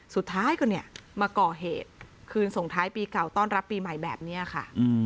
สุดท้ายก็เนี่ยมาก่อเหตุคืนส่งท้ายปีเก่าต้อนรับปีใหม่แบบนี้ค่ะ